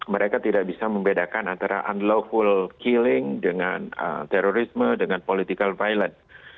mereka tidak bisa membedakan antara unlawful killing dengan terorisme dengan political violence